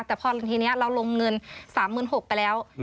แต่พอทีนี้เราลงเงิน๓๖๐๐ไปแล้ว